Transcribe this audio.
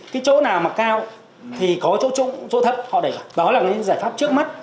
cái chỗ nào mà cao thì có chỗ thấp họ để lại đó là những giải pháp trước mắt